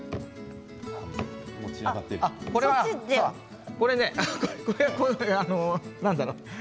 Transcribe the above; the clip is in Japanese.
これは何だろう。